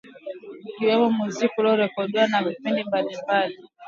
Kukiwemo muziki uliorekodiwa na vipindi mbalimbali kutokea mjini Monrovia, Liberia